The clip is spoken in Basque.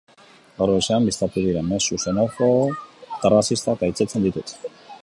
Gaur goizean bistatu diren mezu xenobo eta arrazistak gaitzesten ditut.